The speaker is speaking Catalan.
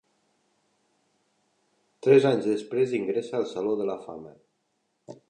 Tres anys després, ingressa al Saló de la Fama.